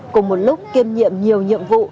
cùng một lúc kiêm nhiệm nhiều nhiệm vụ